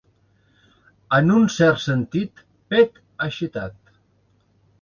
En un cert sentit, pet agitat.